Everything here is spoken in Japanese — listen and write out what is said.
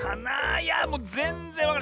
いやもうぜんぜんわからない。